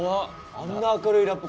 あんな明るいラップ